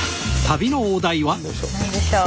何でしょう。